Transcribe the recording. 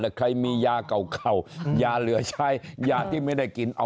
เมื่อก็คือใครมียากล่าวเก่ายาเหลื้อใช้ยาที่ไม่ได้กิน